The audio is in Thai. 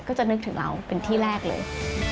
จะนึกถึงเราเป็นที่แรกเลย